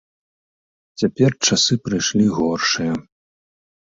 Цяпер часы прыйшлі горшыя.